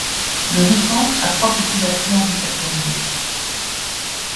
Le Rucan a trois petits affluents répertoriés.